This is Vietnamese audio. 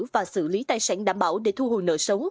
và xử lý tài sản đảm bảo để thu hồi nợ xấu